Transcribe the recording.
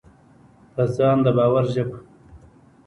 په ځان د باور ژبه: